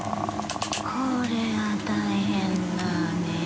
これは大変だね。